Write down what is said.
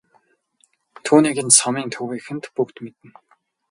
Түүнийг нь сумын төвийнхөн бүгд мэднэ.